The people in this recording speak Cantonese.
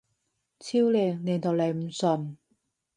超靚！靚到你唔信！